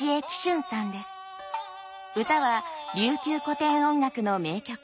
唄は琉球古典音楽の名曲